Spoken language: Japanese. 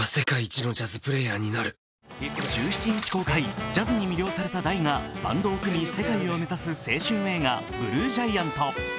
１７日公開、ジャズに魅了された大がバンドを組み、世界を目指す青春映画「ＢＬＵＥＧＩＡＮＴ」。